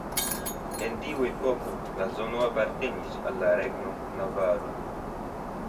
En tiu epoko la zono apartenis al la regno Navaro.